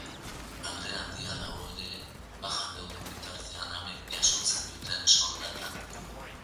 Alde handia dago ere bajan dauden bitartean amek jasotzen duten soldatan.